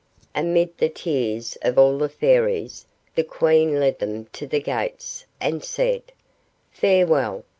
Amid the tears of all the Fairies, the Queen led them to the gates, and said,— "Farewell!